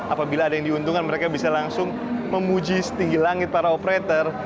apabila ada yang diuntungkan mereka bisa langsung memuji setinggi langit para operator